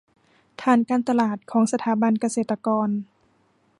ฐานการตลาดของสถาบันเกษตรกร